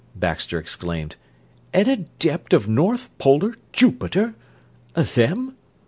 Baxter exclaimed. "An adept of North Polar Jupiter _them?